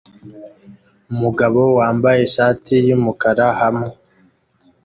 Umugabo wambaye ishati yumukara hamwe